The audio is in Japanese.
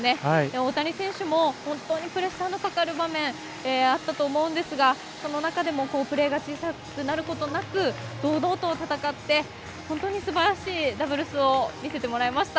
大谷選手も本当にプレッシャーのかかる場面あったと思うんですがその中でもプレーが小さくなることなく堂々と戦って、本当にすばらしいダブルスを見せてもらいました。